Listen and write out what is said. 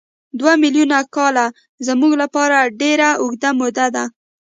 دوه میلیونه کاله زموږ لپاره ډېره اوږده موده ده.